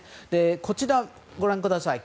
こちら、ご覧ください。